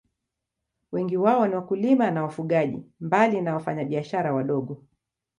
Wengi wao ni wakulima na wafugaji, mbali ya wafanyabiashara wadogo.